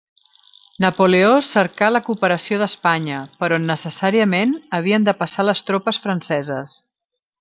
Napoleó cercà la cooperació d'Espanya, per on necessàriament havien de passar les tropes franceses.